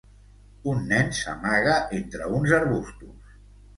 Un nen s'amaga entre uns arbustos.